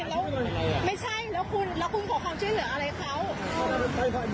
แล้วคุณแล้วคุณบอกความช่วยเหลืออะไรครับ